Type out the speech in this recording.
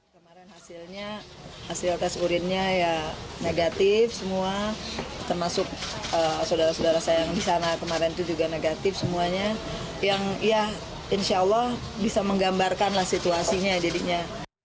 kemarin hasilnya hasil tes urinnya ya negatif semua termasuk saudara saudara saya yang di sana kemarin itu juga negatif semuanya yang ya insya allah bisa menggambarkanlah situasinya jadinya